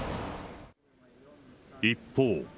一方。